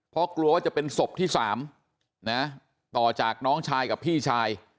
เพราะกลัวว่าจะเป็นศพที่๓นะต่อจากน้องชายกับพี่ชาย